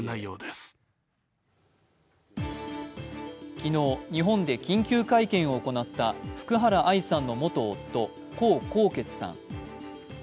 昨日、日本で緊急会見を行った福原愛さんの元夫、江宏傑さん。